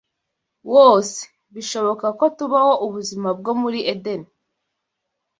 wose, bishoboka ko tubaho ubuzima bwo muri Edeni